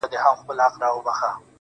همداسي د ټولو هيوادنو په کلتوري